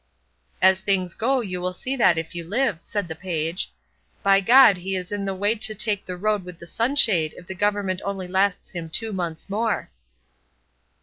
"As things go you will see that if you live," said the page; "by God he is in the way to take the road with a sunshade if the government only lasts him two months more."